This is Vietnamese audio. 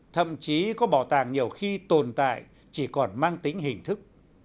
thậm chí có bảo tàng nhiều khi tồn tại chỉ còn mang tính hình thức